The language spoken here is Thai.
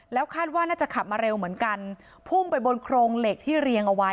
แล้วคาดว่าน่าจะขับมาเร็วเหมือนกันพุ่งไปบนโครงเหล็กที่เรียงเอาไว้